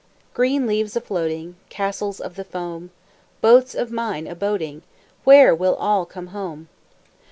Green leaves a floating, Castles of the foam, Boats of mine a boating Where will all come home?